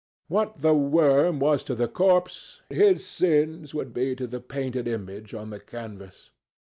What the worm was to the corpse, his sins would be to the painted image on the canvas.